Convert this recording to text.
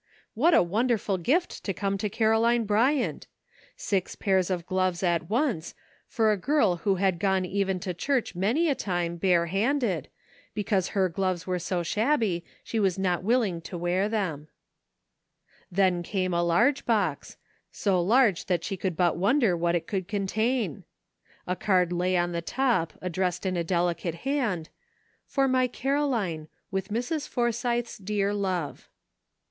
What a wonderful gift to come to Caroline Bryant! Six pairs of gloves at once, for a girl who had gone even to church many a time bare handed, because her gloves were so shabby she was not willing to wear them. ''MEBKY CIIBISTMAS." 311 Then came a large box, so large that she could but wonder what it could contain. A card lay on the top, addressed in a delicate hand: "For my Caroline, with Mrs. For sythe's dear love."